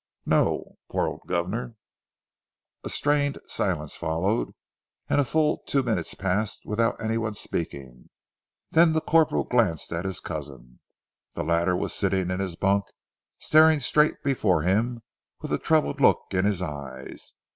"No.... Poor old governor!" A strained silence followed, and a full two minutes passed without any one speaking. Then the corporal glanced at his cousin. The latter was sitting in his bunk, staring straight before him, with a troubled look in his eyes.